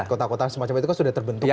kota kota semacam itu kan sudah terbentuk